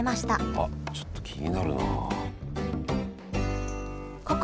あっちょっと気になるな。